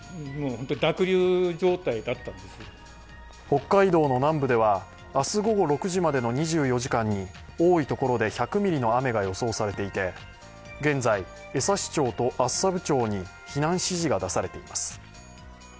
北海道の南部では明日午後６時までの２４時間に多いところで１００ミリの雨が予想されていて現在、江差町と厚沢部町に避難指示が出されています。